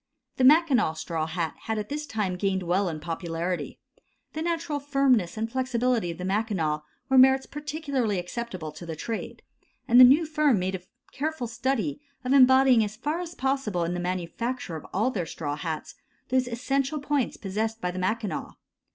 The Mackinaw straw hat had at this time gained well in popularity; the natural firmness and flexibility of the Mackinaw were merits particularly acceptable to the trade, and the new firm made a careful study of embodying as far as possible in the manufacture of all their straw hats, those essential points possessed by the Mackinaw.